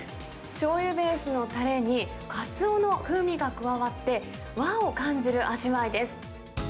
しょうゆベースのたれに、カツオの風味が加わって、和を感じる味わいです。